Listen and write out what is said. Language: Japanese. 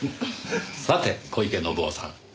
さて小池信雄さん。